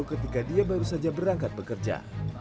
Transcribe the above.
ketika dia baru saja berangkat bekerja